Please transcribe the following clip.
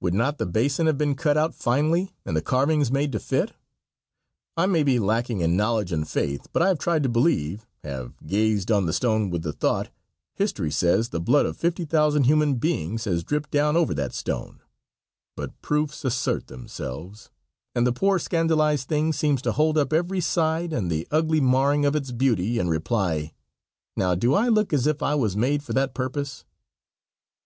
Would not the basin have been cut out finely and the carvings made to fit? I may be lacking in knowledge and faith, but I have tried to believe, have gazed on the stone with the thought, "History says the blood of fifty thousand human beings has dripped down over that stone," but proofs assert themselves, and the poor scandalized thing seems to hold up every side and the ugly marring of its beauty, and reply, "Now, do I look as if I was made for that purpose?"